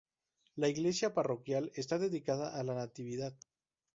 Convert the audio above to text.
La iglesia parroquial está dedicada a la Natividad.